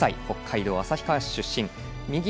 北海道旭川市出身。